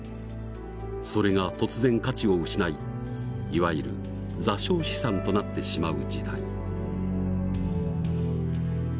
それが突然価値を失いいわゆる座礁資産となってしまう時代。